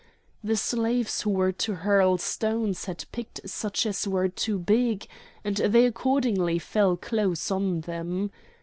The slaves who were to hurl stones had picked such as were too big, and they accordingly fell close to them.